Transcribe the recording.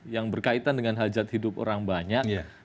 yang berkaitan dengan hal jad hidup orang banyak